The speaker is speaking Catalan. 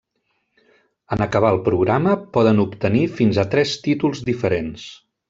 En acabar el programa, poden obtenir fins a tres títols diferents.